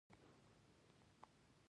که باد وچلېږي، نو پاڼې به وخوځېږي.